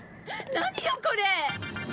何よこれ！